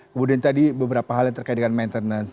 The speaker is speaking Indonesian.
kemudian tadi beberapa hal yang terkait dengan maintenance